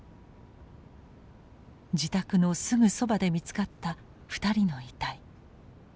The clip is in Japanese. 自宅のすぐそばで見つかった２人の遺体。